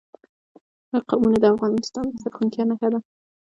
قومونه د افغانستان د زرغونتیا نښه ده.